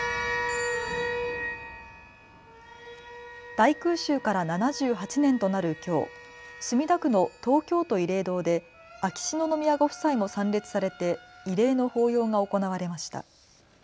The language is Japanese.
大空襲から７８年となるきょう、墨田区の東京都慰霊堂で秋篠宮ご夫妻も参列されて慰霊の法要が行われました。